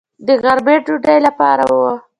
د غرمې ډوډۍ لپاره و.